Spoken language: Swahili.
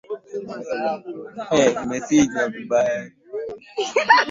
Hilo lilimshangaza alitegemea kukutu watu wachache